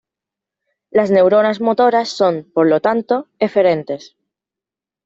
Las neuronas motoras son, por tanto, eferentes.